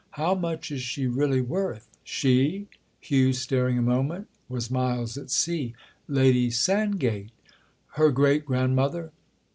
"How much is she really worth?" "'She'?" Hugh, staring a moment, was miles at sea. "Lady Sandgate?" "Her great grandmother."